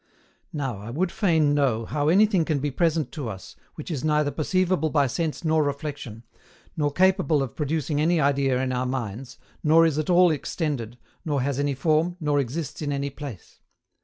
Now, I would fain know how anything can be present to us, which is neither perceivable by sense nor reflexion, nor capable of producing any idea in our minds, nor is at all extended, nor has any form, nor exists in any place.